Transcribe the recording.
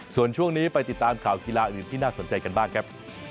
ส่วนช่วงนี้ไปติดตามข่าวกีฬาอื่นที่น่าสนใจกันบ้างครับ